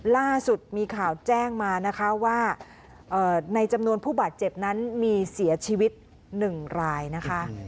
ล่าสุดมีข่าวแจ้งมานะคะว่าในจำนวนผู้บาดเจ็บนั้นมีเสียชีวิต๑รายนะคะ